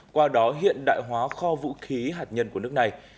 qua đó hiện đại hóa kho vũ khí hạt nhân của nước này